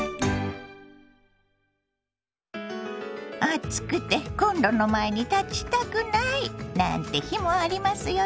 「暑くてコンロの前に立ちたくない」なんて日もありますよね。